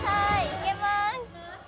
いけます！